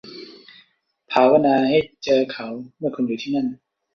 ภาวนาให้เจอเขาเมื่อคุณอยู่ที่นั่น